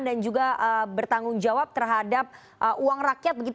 dan juga bertanggung jawab terhadap uang rakyat